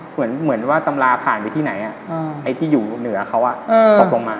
เหมือนว่าตำราผ่านไปที่ไหนไอ้ที่อยู่เหนือเขาตกลงมา